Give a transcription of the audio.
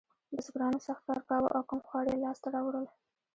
بزګرانو سخت کار کاوه او کم خواړه یې لاسته راوړل.